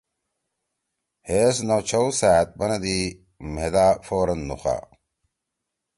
ہے ایس نہ چھو سأد بنَدی مھیدا فوراً نُوغا۔